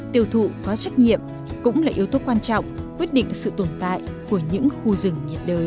tiêu thụ có trách nhiệm cũng là yếu tố quan trọng quyết định sự tồn tại của những khu rừng nhiệt đới